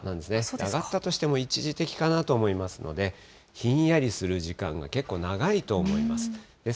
上がったとしても一時的かなと思いますので、ひんやりする時間が結構長いと思います。